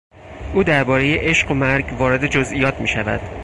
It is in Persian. او دربارهی عشق و مرگ وارد جزییات میشود.